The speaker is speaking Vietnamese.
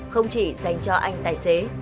không chỉ dành cho anh tài xế